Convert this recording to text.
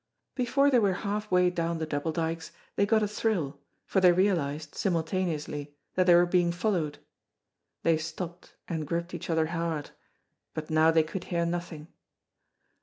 Before they were half way down the Double Dykes they got a thrill, for they realized, simultaneously, that they were being followed. They stopped and gripped each other hard, but now they could hear nothing.